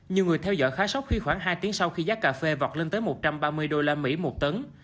nhiều người theo dõi khá sốc khi khoảng hai tiếng sau khi giá cà phê vọt lên tới một trăm ba mươi usd một tấn